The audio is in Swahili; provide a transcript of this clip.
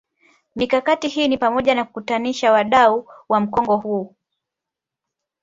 Mikakati hii ni pamoja na kuwakutanisha wadau wa mkongo huu